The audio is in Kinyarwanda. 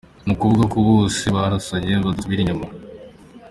Ni ukuvuga ko bose barasanye badasubira inyuma.